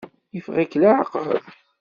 Yeffeɣ-ik leɛqel?